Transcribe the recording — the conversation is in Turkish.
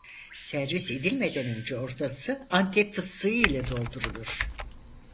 Servis edilmeden önce ortası Antep fıstığı ile doldurulur.